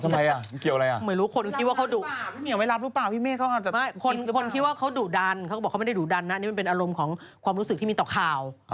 ไม่รู้คนคิดว่าเขาดุดันเขาบอกเขาไม่ได้ดุดันนะนี่มันเป็นอารมณ์ของความรู้สึกที่มีต่อข่าว